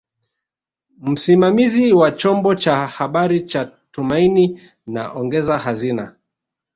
Msimamizi wa chombo cha habari cha Tumaini na ongeza hazina